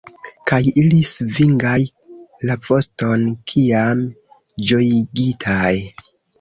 Kaj ili svingas la voston, kiam ĝojigitaj.